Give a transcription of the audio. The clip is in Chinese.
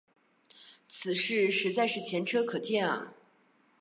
此事实在是前车可鉴啊。